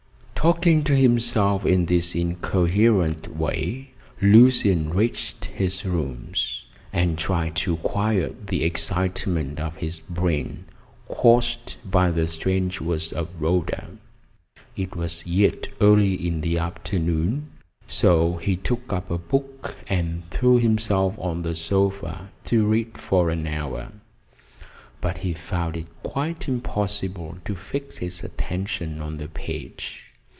Talking to himself in this incoherent way, Lucian reached his rooms and tried to quiet the excitement of his brain caused by the strange words of Rhoda. It was yet early in the afternoon, so he took up a book and threw himself on the sofa to read for an hour, but he found it quite impossible to fix his attention on the page.